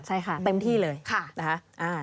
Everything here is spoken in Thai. ใช่ค่ะเต็มที่เลยนะคะ